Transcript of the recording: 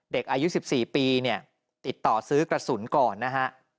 เด็กอายุ๑๔ปีเนี่ยติดต่อซื้อกระสุนก่อนนะฮะ